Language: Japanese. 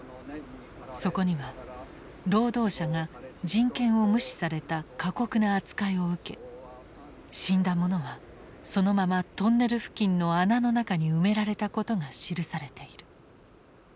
そこには労働者が人権を無視された過酷な扱いを受け死んだ者はそのままトンネル付近の穴の中に埋められたことが記されている。